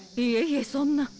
いえいえそんな。